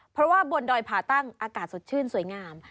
เพราะว่าบนดอยผ่าตั้งอากาศสดชื่นสวยงาม